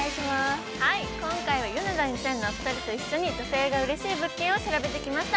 今回はヨネダ２０００のお二人と一緒に女性がうれしい物件を調べてきました。